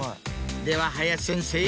では林先生